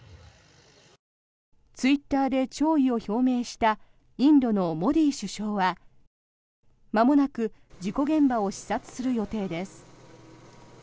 ツイッターで弔意を表明したインドのモディ首相はまもなく事故現場を視察する予定です。